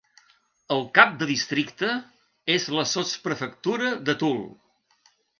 El cap de districte és la sotsprefectura de Toul.